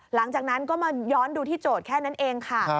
หลังจากนั้นก็มาย้อนดูที่โจทย์แค่นั้นเองค่ะ